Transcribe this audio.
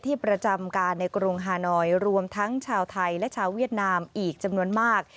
ประจำการในกรุงฮานอยรวมทั้งชาวไทยและชาวเวียดนามอีกจำนวนมาก